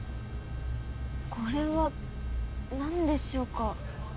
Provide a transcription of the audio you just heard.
これは何でしょうか。